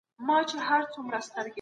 زکات د غريبانو مالي پياوړتيا ده.